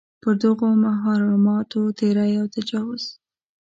پر دغو محرماتو تېری او تجاوز.